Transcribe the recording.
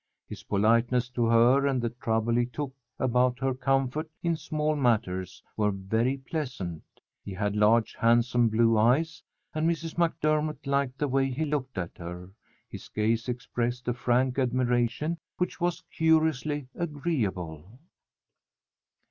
His politeness to her and the trouble he took, about her comfort in small matters were very pleasant. He had large handsome blue eyes, and Mrs. MacDermott liked the way he looked at her. His gaze expressed a frank admiration which was curiously agreeable.